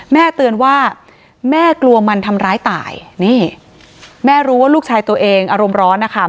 เตือนว่าแม่กลัวมันทำร้ายตายนี่แม่รู้ว่าลูกชายตัวเองอารมณ์ร้อนนะคะ